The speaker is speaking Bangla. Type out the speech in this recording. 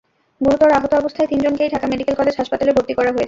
গুরুতর আহত অবস্থায় তিনজনকেই ঢাকা মেডিকেল কলেজ হাসপাতালে ভর্তি করা হয়েছে।